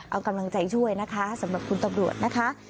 เอากำลังใจช่วยนะคะสำหรับคุณตำรวจนะคะ